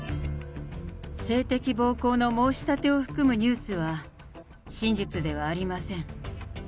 性的暴行の申し立てを含むニュースは真実ではありません。